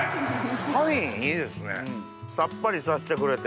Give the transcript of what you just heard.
パインいいですねさっぱりさせてくれて。